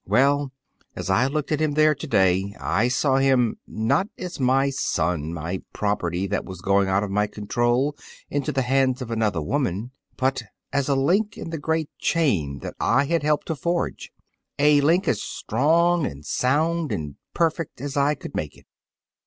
Well, as I looked at him there to day I saw him, not as my son, my property that was going out of my control into the hands of another woman, but as a link in the great chain that I had helped to forge a link as strong and sound and perfect as I could make it.